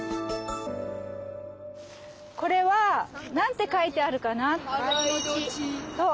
これはなんて書いてあるかな？